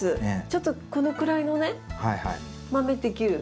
ちょっとこのくらいのね豆できる。